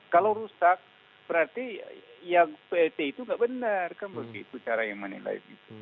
kalau rusak berarti yang plt itu nggak benar kan begitu cara yang menilai